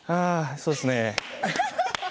そうですね。